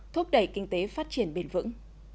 thúc đẩy kinh tế phát triển bền vững